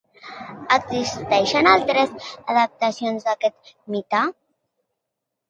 Existeixen altres adaptacions d'aquest mite?